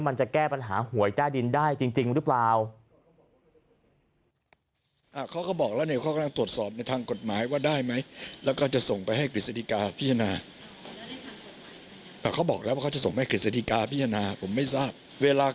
มันจะแก้ปัญหาหวยใต้ดินได้จริงหรือเปล่า